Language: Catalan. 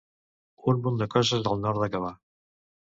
Un munt de coses al nord de Gavà.